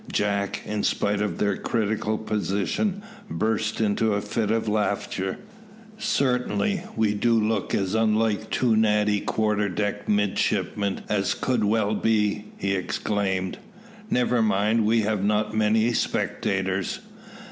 Jack, in spite of their critical position, burst into a fit of laughter. "Certainly, we do look as unlike two natty quarter deck midshipmen as could well be," he exclaimed. "Never mind, we have not many spectators."